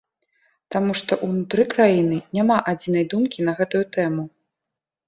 Таму што ўнутры краіны няма адзінай думкі на гэтую тэму.